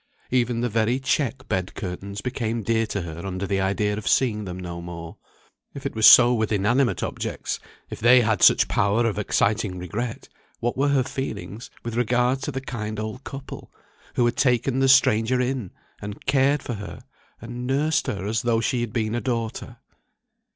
Even the very check bed curtains became dear to her under the idea of seeing them no more. If it was so with inanimate objects, if they had such power of exciting regret, what were her feelings with regard to the kind old couple, who had taken the stranger in, and cared for her, and nursed her, as though she had been a daughter?